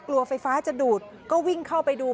กลัวไฟฟ้าจะดูดก็วิ่งเข้าไปดู